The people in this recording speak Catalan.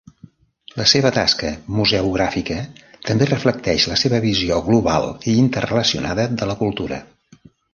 La seva tasca museogràfica també reflecteix la seva visió global i interrelacionada de la cultura.